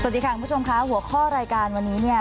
สวัสดีค่ะคุณผู้ชมค่ะหัวข้อรายการวันนี้เนี่ย